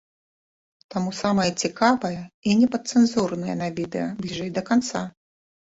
Таму самае цікавае і непадцэнзурнае на відэа бліжэй да канца.